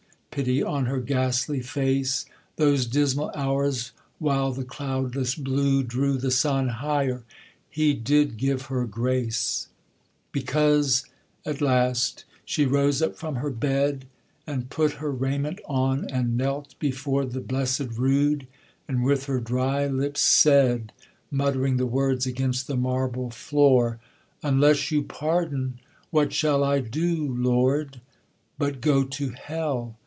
pity on her ghastly face! Those dismal hours while the cloudless blue Drew the sun higher: He did give her grace; Because at last she rose up from her bed, And put her raiment on, and knelt before The blessed rood, and with her dry lips said, Muttering the words against the marble floor: 'Unless you pardon, what shall I do, Lord, But go to hell?